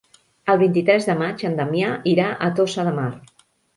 El vint-i-tres de maig en Damià irà a Tossa de Mar.